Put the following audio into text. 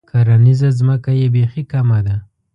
کرنیزه ځمکه یې بیخي کمه ده.